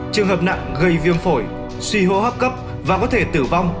trường hợp nặng gây viêm phổi suy hô hấp cấp và có thể tử vong